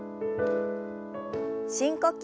深呼吸。